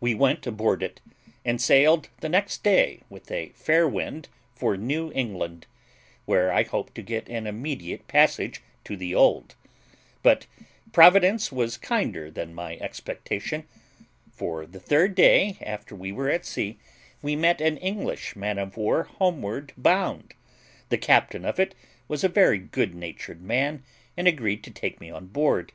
We went aboard it, and sailed the next day with a fair wind for New England, where I hoped to get an immediate passage to the Old: but Providence was kinder than my expectation; for the third day after we were at sea we met an English man of war homeward bound; the captain of it was a very good natured man, and agreed to take me on board.